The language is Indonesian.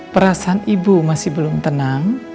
perasaan ibu masih belum tenang